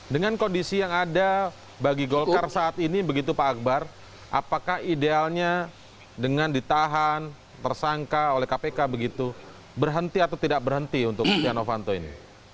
dengan kondisi yang ada bagi golkar saat ini begitu pak akbar apakah idealnya dengan ditahan tersangka oleh kpk begitu berhenti atau tidak berhenti untuk setia novanto ini